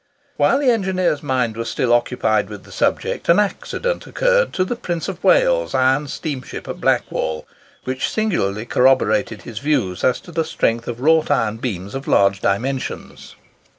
While the engineer's mind was still occupied with the subject, an accident occurred to the Prince of Wales iron steamship, at Blackwall, which singularly corroborated his views as to the strength of wrought iron beams of large dimensions.